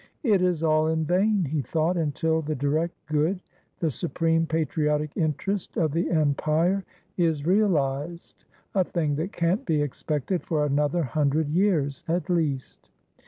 "It is all in vain," he thought, " until the direct good, the supreme patriotic interest of the empire is reahzed — a thing that can't be expected for another hundred years, at least."